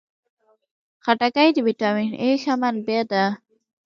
خټکی د ویټامین A ښه منبع ده.